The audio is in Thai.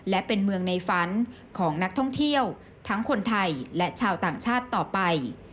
และเป็นเมืองในฝันของนักท่องเที่ยวทั้งคนไทยและชาวต่างชาติต่อไป